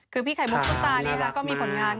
คือพี่ไข่มุกส้อตานะครับก็มีผลงาน